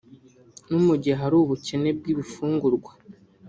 no mu gihe hari ubukene bw’ibifungurwa